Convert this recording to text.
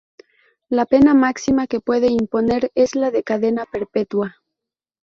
La pena máxima que puede imponer es la de cadena perpetua.